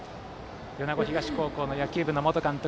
米子東高校野球部の元監督